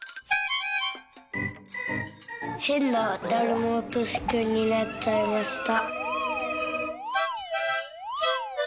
「へんなだるまおとしくんになっちゃいました」。